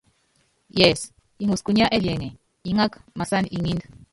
Yɛs ŋɔs kunya ɛliɛŋɛ iŋák masán iŋínd.